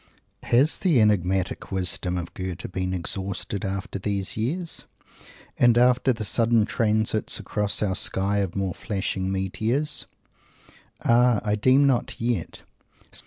GOETHE As the enigmatic wisdom of Goethe been exhausted after these years and after the sudden transits across our sky of more flashing meteors? Ah! I deem not yet.